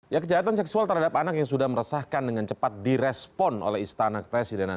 ya kejahatan seksual terhadap anak yang sudah meresahkan dengan cepat direspon oleh istana kepresidenan